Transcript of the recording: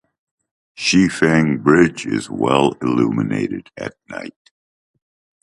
Shifeng Bridge is well illuminated at night.